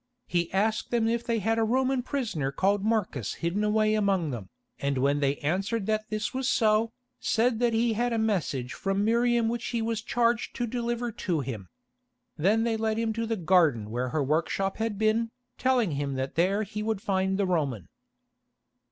He asked them if they had a Roman prisoner called Marcus hidden away among them, and when they answered that this was so, said that he had a message from Miriam which he was charged to deliver to him. Then they led him to the garden where her workshop had been, telling him that there he would find the Roman.